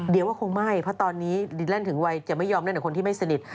เดี๋ยวว่าคงไม่เพราะตอนนี้ดินแลนด์ถึงวัยจะไม่ยอมเล่นกับคนที่ไม่สนิท